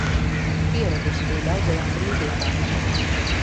Pieraduši pie daudzajām brīvdienām.